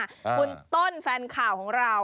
คุณต้นแฟนข่าวของเรา